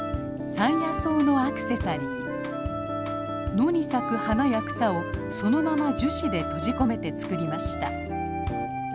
野に咲く花や草をそのまま樹脂で閉じ込めて作りました。